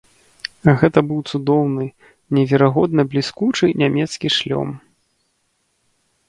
Гэта быў цудоўны, неверагодна бліскучы нямецкі шлём.